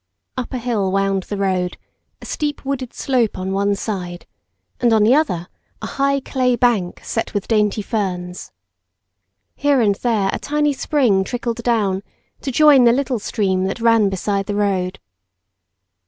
Up a hill wound the road, a steep wooded slope on one side, and on the other a high, clay bank set with dainty ferns. Here and there a tiny spring trickled down to join the little stream that ran beside the road.